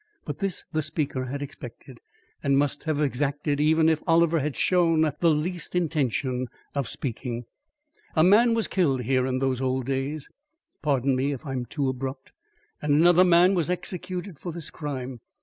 But this the speaker had expected, and must have exacted even if Oliver had shown the least intention of speaking. "A man was killed here in those old days pardon me if I am too abrupt and another man was executed for this crime.